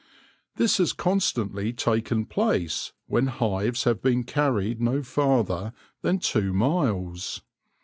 This has constantly taken place when hives have been carried no farther than two miles.